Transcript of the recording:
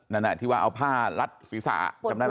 นั่นแหละที่ว่าเอาผ้ารัดศีรษะปวดหัว